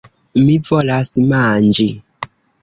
Mi volas manĝi.